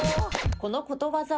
このことわざは？